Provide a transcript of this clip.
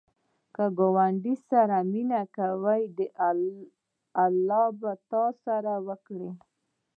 که ګاونډي سره مینه کوې، الله به تا سره وکړي